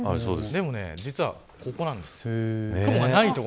でも実は、ここなんです。